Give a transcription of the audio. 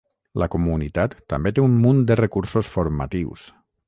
La comunitat també té un munt de recursos formatius.